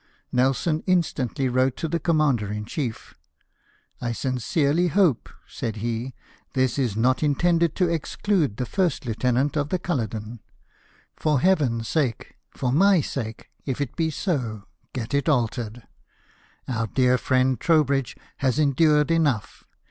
Nelson instantly wrote to the commander in chief " I sincerely hope,' said he, "this is not intended to exclude the first 154 LIFE OF NELSON: lieutenant of the Culloden. For Heaven's sake — for my sake — if it be so, get it altered. Our dear friend Trowbridge has endured enough.